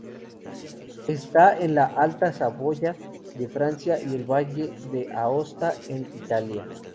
Está en la Alta Saboya de Francia y el Valle de Aosta en Italia.